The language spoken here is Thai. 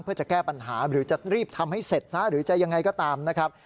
เพื่อจะแก้ปัญหาหรือจะรีบทำให้เสร็จซะหรือจะยังไงก็ตามนะครับ